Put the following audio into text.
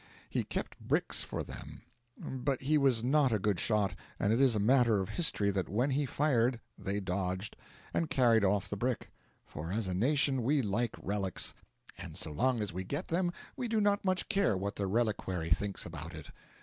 He kept bricks for them, but he was not a good shot, and it is matter of history that when he fired they dodged, and carried off the brick; for as a nation we like relics, and so long as we get them we do not much care what the reliquary thinks about it.